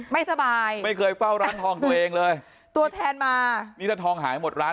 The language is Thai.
ไม่สบายไม่เคยเฝ้าร้านทองตัวเองเลยตัวแทนมานี่ถ้าทองหายหมดร้าน